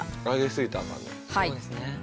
そうですね。